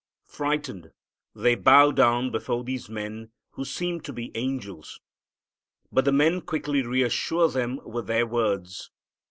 Frightened, they bow down before these men, who seem to be angels. But the men quickly reassure them with their words.